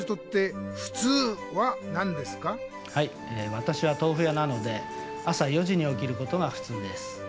わたしはとうふやなので朝４時におきることがふつうです。